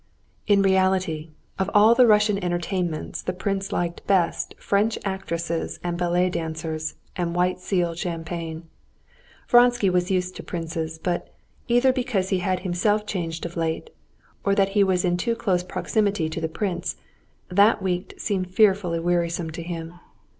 In reality, of all the Russian entertainments the prince liked best French actresses and ballet dancers and white seal champagne. Vronsky was used to princes, but, either because he had himself changed of late, or that he was in too close proximity to the prince, that week seemed fearfully wearisome to him.